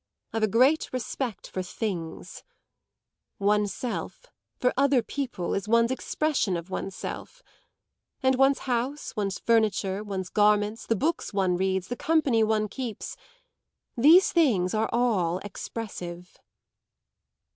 I've a great respect for things! One's self for other people is one's expression of one's self; and one's house, one's furniture, one's garments, the books one reads, the company one keeps these things are all expressive."